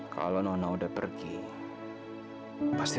kalau kamu ikut aku berada di sini